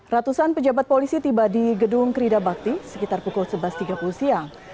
ratusan pejabat polisi tiba di gedung krida bakti sekitar pukul sebelas tiga puluh siang